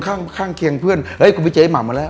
คนข้างเพื่อนเห่ยพี่เจมบเดี๋ยวมันมาแล้ว